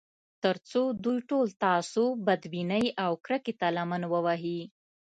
تر څو دوی ټول تعصب، بدبینۍ او کرکې ته لمن ووهي